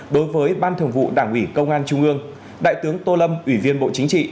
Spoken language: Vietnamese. đối với ban thường vụ đảng ủy công an trung ương đại tướng tô lâm ủy viên bộ chính trị